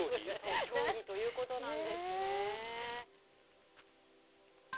競技ということなんですね。